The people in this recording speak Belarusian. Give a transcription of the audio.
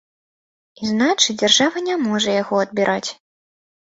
І значыць, дзяржава не можа яго адбіраць.